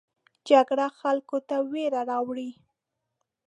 جګړه خلکو ته ویره راوړي